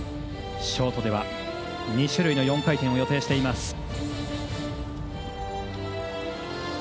ショートでは２種類の４回転を予定しています。